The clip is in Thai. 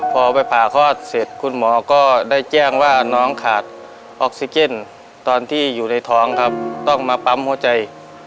พอไปผ่าคลอดเสร็จคุณหมอก็ได้แจ้งว่าน้องขาดออกซิเจนตอนที่อยู่ในท้องครับต้องมาปั๊มหัวใจ